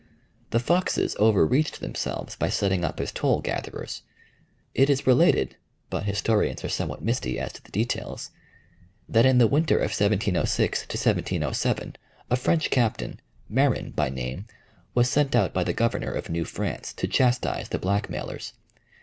The Foxes overreached themselves by setting up as toll gatherers. It is related but historians are somewhat misty as to the details that in the winter of 1706 7 a French captain, Marin by name, was sent out by the governor of New France to chastise the blackmailers.